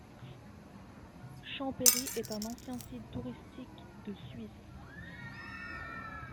Champéry est un ancien site touristique de Suisse.